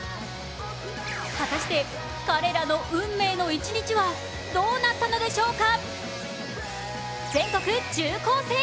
果たして、彼らの運命の一日はどうなったのでしょうか？